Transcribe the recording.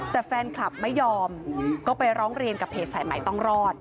แต่แฟนคลับไม่ยอมก็ไปร้องเรียนกับเพจสายใหม่ต้องรอด